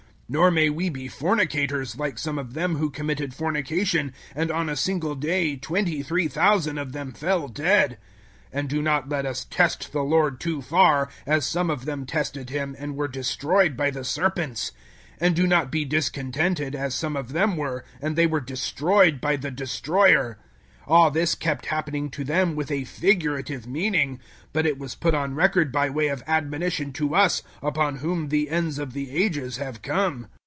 010:008 Nor may we be fornicators, like some of them who committed fornication and on a single day 23,000 of them fell dead. 010:009 And do not let us test the Lord too far, as some of them tested Him and were destroyed by the serpents. 010:010 And do not be discontented, as some of them were, and they were destroyed by the Destroyer. 010:011 All this kept happening to them with a figurative meaning; but it was put on record by way of admonition to us upon whom the ends of the Ages have come.